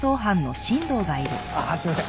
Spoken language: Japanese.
ああすいません。